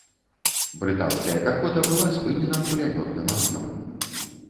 Брытанская пяхота была спынена кулямётным агнём.